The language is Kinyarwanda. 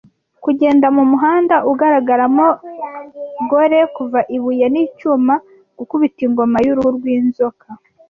Kugenda mumuhanda , ugaragaramo gore kuva ibuye n'icyuma, gukubita ingoma y'uruhu rwinzoka,